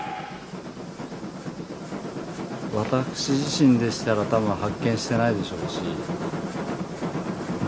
私自身でしたら多分発見してないでしょうしま